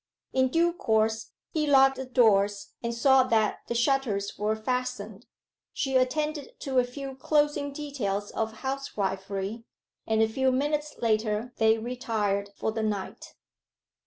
In due course he locked the doors and saw that the shutters were fastened. She attended to a few closing details of housewifery, and a few minutes later they retired for the night.